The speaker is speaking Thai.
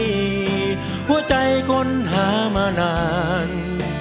คนที่ใช้หัวใจคนหามานาน